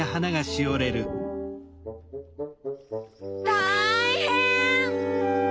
たいへん！